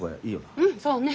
うんそうね。